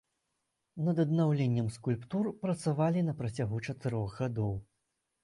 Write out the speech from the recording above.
Над аднаўленнем скульптур працавалі на працягу чатырох гадоў.